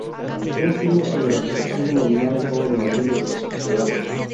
Un filme sobre la corrupción dominando en todos los niveles de la sociedad.